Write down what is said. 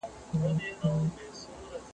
متخصصین به سلا ورکوي.